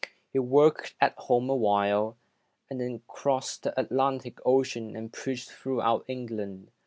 He worked at home a while, and then crossed the Atlantic Ocean and preached throughout England.